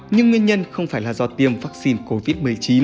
nhưng nguyên nhân không phải là do tiêm vaccine covid một mươi chín